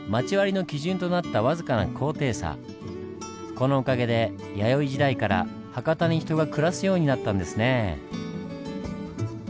このおかげで弥生時代から博多に人が暮らすようになったんですねぇ。